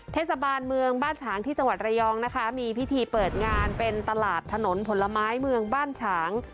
เทศบาลเมืองบ้านฉางที่จังหวัดระยองนะคะมีพิธีเปิดงานเป็นตลาดถนนผลไม้เมืองบ้านฉาง